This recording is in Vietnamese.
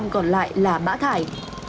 tám mươi còn lại là bã thải